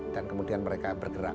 dan kemudian mereka bergerak